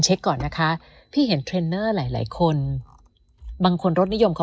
เช็คก่อนนะคะพี่เห็นเทรนเนอร์หลายหลายคนบางคนรถนิยมเขา